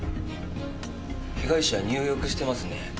被害者入浴してますね。